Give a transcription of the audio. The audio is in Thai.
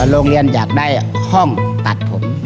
โรงเรียนอยากได้ห้องตัดผม